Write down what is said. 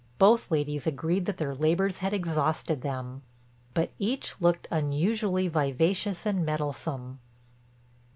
Both ladies agreed that their labors had exhausted them, but each looked unusually vivacious and mettlesome.